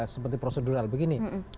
seperti prosedural begini